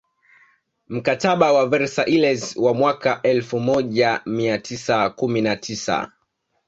Mkataba wa Versailles wa mwaka mwaka elfumoja mia tisa kumi na tisa